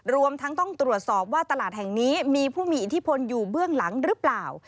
รวมทั้งต้องตรวจสอบว่าตลาดแห่งนี้มีผู้มีอิทธิพลอยู่เบื้องหลังหรือเปล่า